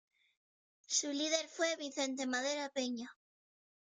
Su líder fue Vicente Madera Peña.